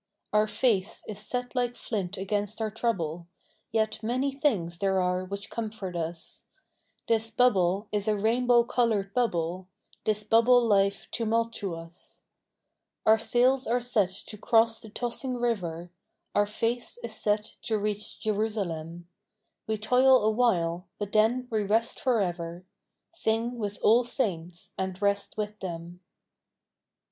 Our face is set like flint against our trouble, Yet many things there are which comfort us, This bubble is a rainbow colored bubble, This bubble life tumultuous. Our sails are set to cross the tossing river, Our face is set to reach Jerusalem: We toil awhile, but then we rest forever, Sing with all Saints and rest with them.